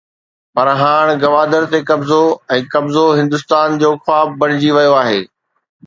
پر هاڻ گوادر تي قبضو ۽ قبضو هندستان جو خواب بڻجي ويو آهي.